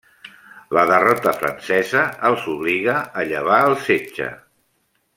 La derrota francesa els obliga a llevar el setge.